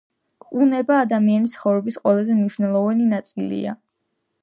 უნება ადამიანის ცხოვრების ყველაზე მნიშვნელოვანი ნაწილია.